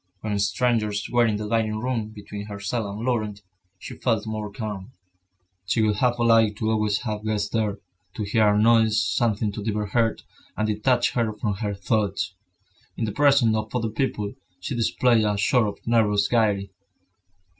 When strangers were in the dining room, between herself and Laurent, she felt more calm. She would have liked to always have guests there, to hear a noise, something to divert her, and detach her from her thoughts. In the presence of other people, she displayed a sort of nervous gaiety.